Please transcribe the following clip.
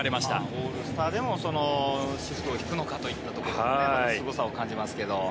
オールスターでもシフトを敷くのかというところにすごさを感じますけれど。